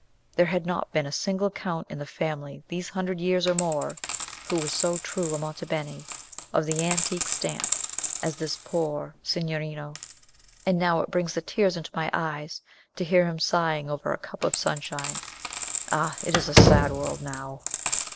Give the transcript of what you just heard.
There had not been a single count in the family these hundred years or more, who was so true a Monte Beni, of the antique stamp, as this poor signorino; and now it brings the tears into my eyes to hear him sighing over a cup of Sunshine! Ah, it is a sad world now!"